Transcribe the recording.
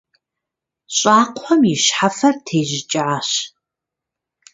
ЩӀакхъуэм и щхьэфэр тежьыкӀащ.